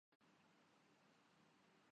سلمان خان کی نظر میں اکشے کمار اصل سلطان